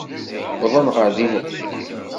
Wwḍen ɣer din uqbel-iw.